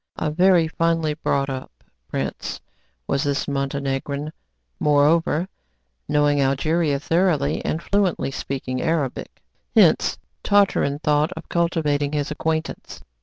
A very finely brought up prince was this Montenegrin; moreover, knowing Algeria thoroughly, and fluently speaking Arabic. Hence Tartarin thought of cultivating his acquaintance.